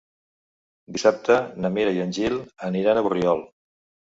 Dissabte na Mira i en Gil aniran a Borriol.